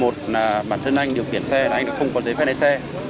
một là bản thân anh điều khiển xe là anh đã không có giấy phép lấy xe